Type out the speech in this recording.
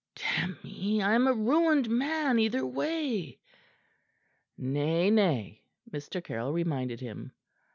Damn me! I'm a ruined man either way." "Nay, nay," Mr. Caryll reminded him.